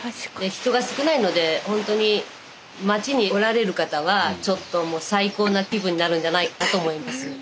人が少ないので本当に街におられる方はちょっともう最高な気分になるんじゃないかと思います。